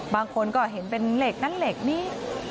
บางคนก็เห็นเป็นเหล็กนั่งเหล็กนี่